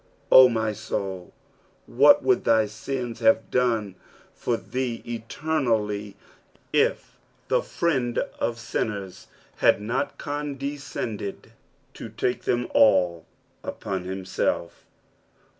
O my soul, what would thy sins have done for thee eternally if the Friend of sinneiB had not condescended to take them all upon himself?